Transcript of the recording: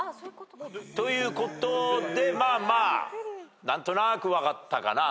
ということで何となく分かったかなと。